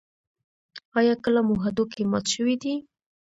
ایا کله مو هډوکی مات شوی دی؟